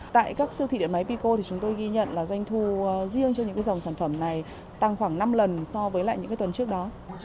tại các siêu thị điện máy pico thì chúng tôi ghi nhận là doanh thu riêng cho những dòng sản phẩm này tăng khoảng năm lần so với lại những tuần trước đó